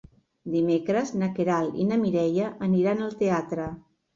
Dimecres na Queralt i na Mireia aniran al teatre.